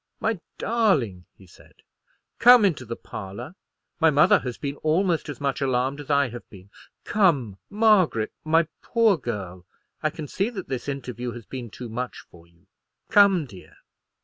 "My darling," he said, "come into the parlour. My mother has been almost as much alarmed as I have been. Come, Margaret; my poor girl, I can see that this interview has been too much for you. Come, dear."